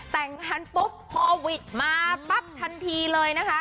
แต่งพันธุ์ปุ๊บโควิดมาปั๊บทันทีเลยนะคะ